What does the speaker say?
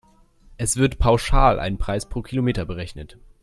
Es wird pauschal ein Preis pro Kilometer berechnet.